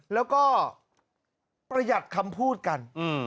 แล้วก็ประหยัดคำพูดกัน